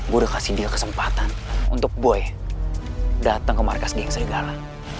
gue dikasih dia kesempatan untuk boy datang ke markas geng serigala